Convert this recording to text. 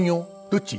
どっち？